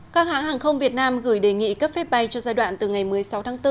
các hãng hàng không việt nam gửi đề nghị cấp phép bay cho giai đoạn từ ngày một mươi sáu tháng bốn